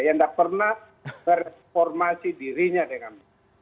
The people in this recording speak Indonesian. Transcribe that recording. yang tidak pernah mereformasi dirinya dengan